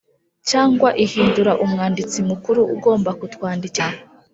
cyangwa ihindura Umwanditsi Mukuru ugomba kutwandikira